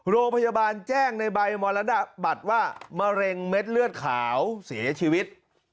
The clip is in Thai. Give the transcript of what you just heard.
โรงพยาบาลแจ้งในใบมรณบัตรว่ามะเร็งเม็ดเลือดขาวเสียชีวิต